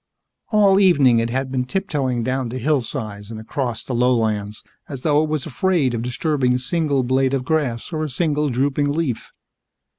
All evening it had been tiptoeing down the hillsides and across the lowlands as though it was afraid of disturbing a single blade of grass or a single drooping leaf.